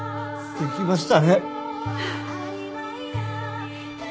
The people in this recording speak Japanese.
できました！